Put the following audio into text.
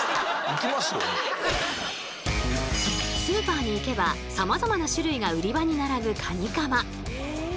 スーパーに行けばさまざまな種類が売り場に並ぶカニカマ。